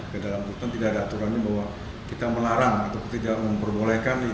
ke dalam hutan tidak ada aturannya bahwa kita melarang atau tidak memperbolehkan